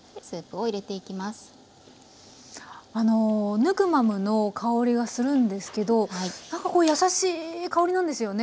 ヌクマムの香りがするんですけどなんかこうやさしい香りなんですよね。